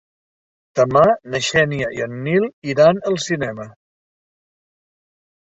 Demà na Xènia i en Nil iran al cinema.